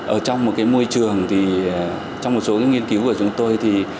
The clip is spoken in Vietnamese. ở trong một cái môi trường thì trong một số nghiên cứu của chúng tôi thì